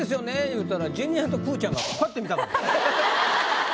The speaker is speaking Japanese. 言うたらジュニアとくーちゃんがこうやって見たから。